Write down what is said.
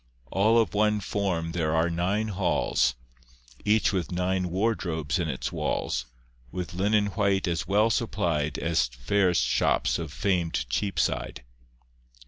All of one form there are nine halls, Each with nine wardrobes in its walls, With linen white as well supplied As fairest shops of fam'd Cheapside.